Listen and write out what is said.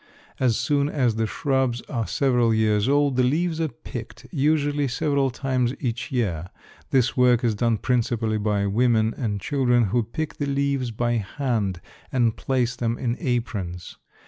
As soon as the shrubs are several years old the leaves are picked, usually several times each year. This work is done principally by women and children who pick the leaves by hand and place them in aprons.